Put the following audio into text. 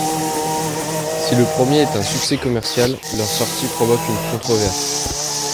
Si le premier est un succès commercial, leur sortie provoque une controverse.